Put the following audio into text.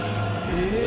え！